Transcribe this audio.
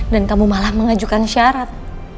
dan kamu malah mengajukan syarat